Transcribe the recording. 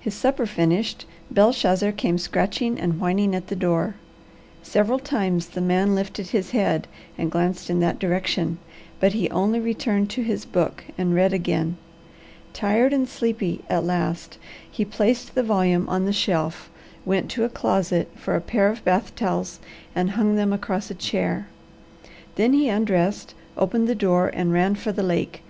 His supper finished, Belshazzar came scratching and whining at the door. Several times the man lifted his head and glanced in that direction, but he only returned to his book and read again. Tired and sleepy, at last, he placed the volume on the shelf, went to a closet for a pair of bath towels, and hung them across a chair. Then he undressed, opened the door, and ran for the lake.